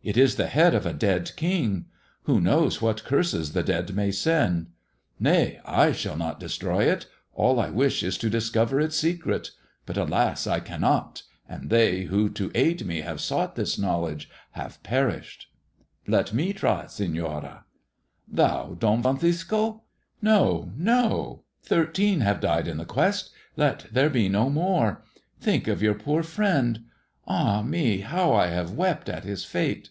"It is the head of a dead king. Who knows what curses the dead may send ] Nay, I shall not destroy it. All I wish is to discover its secret. But, alas ! I cannot ; and they who, to aid me, have sought this knowledge, have perished," " Let me try, Senora." " Thou, Don Francisco ] No, no : thirteen have died in the quest. Let there be no more. Think of your poor friend. Ah me I how I have wept at his fate